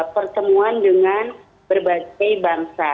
pertemuan dengan berbagai bangsa